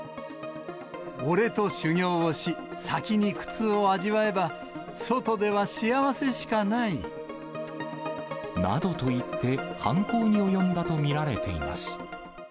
俺と修行をし、先に苦痛を味わえば、外では幸せしかない。などと言って、犯行に及んだと見られています。